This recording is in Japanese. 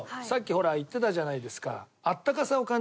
さっきほら言ってたじゃないですか。